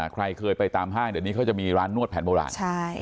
ใครเคยไปตามห้างเดี๋ยวนี้เขาจะมีร้านนวดแผนโบราณ